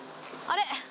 あれ？